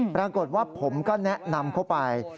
ปรากฏว่าผมก็แนะนำเข้าไป